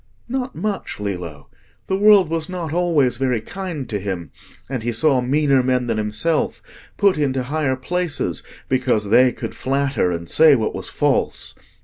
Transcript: "Not much, Lillo. The world was not always very kind to him, and he saw meaner men than himself put into higher places, because they could flatter and say what was false.